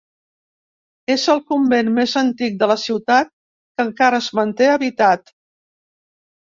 És el convent més antic de la ciutat que encara es manté habitat.